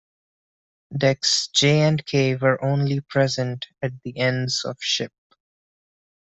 Decks J and K were only present at the ends of ship.